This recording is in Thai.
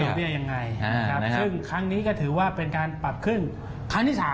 ทำยังไงซึ่งครั้งนี้ก็ถือว่าเป็นการปรับขึ้นครั้งที่๓นะ